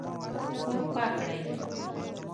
کور پاک کړئ